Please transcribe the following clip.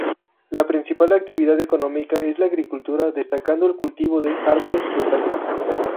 La principal actividad económica es la agricultura, destacando el cultivo de árboles frutales.